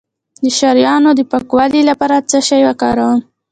د شریانونو د پاکوالي لپاره څه شی وکاروم؟